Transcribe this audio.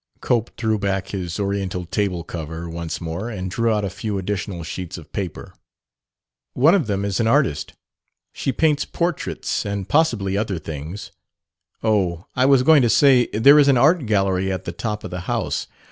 Cope threw back his Oriental table cover once more and drew out a few additional sheets of paper. "One of them is an artist. She paints portraits, and possibly other things. Oh, I was going to say there is an art gallery at the top of the house.